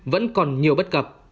vẫn còn nhiều bất cập